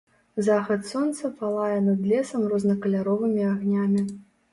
Захад сонца палае над лесам рознакаляровымі агнямі.